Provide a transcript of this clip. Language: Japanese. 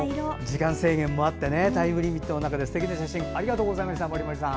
時間制限もあってタイムリミットの中ですてきな写真ありがとうございました。